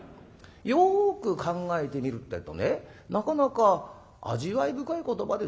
よく考えてみるってえとねなかなか味わい深い言葉ですよ。